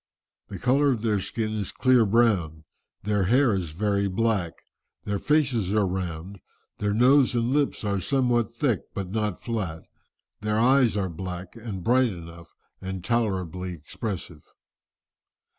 "The colour of their skin is clear brown, their hair is very black, their faces are round, their nose and lips are somewhat thick but not flat, their eyes are black and bright enough, and tolerably expressive.